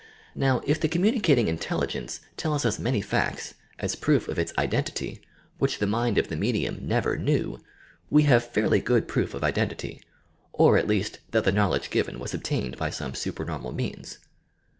Now, if the communicating Intelligence tells us many facts (as proof of its identity) which the mind of the medium newer knew, we have fairly good proof of identity — or at least that the knowledge given was obtained by some Bupemonnal means.